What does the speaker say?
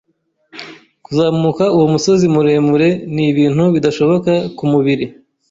Kuzamuka uwo musozi muremure ni ibintu bidashoboka ku mubiri.